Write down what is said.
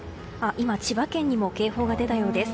今、千葉県にも警報が出たようです。